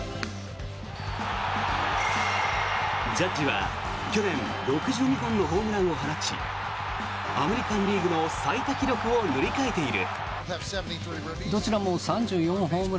ジャッジは去年６２本のホームランを放ちアメリカン・リーグの最多記録を塗り替えている。